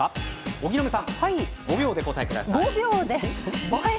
荻野目さん５秒でお答えてください。